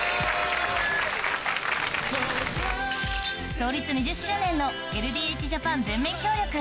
創立２０周年のＬＤＨＪＡＰＡＮ全面協力